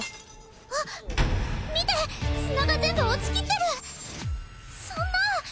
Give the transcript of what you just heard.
あっ見て砂が全部落ちきってるそんな！